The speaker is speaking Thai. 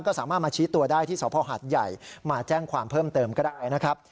ก็สามารถมาชี้ตัวได้ที่สภหัดใหญ่มาแจ้งความเพิ่มเติมก็ได้นะครับ